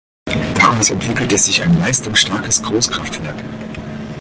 Daraus entwickelte sich ein leistungsstarkes Großkraftwerk.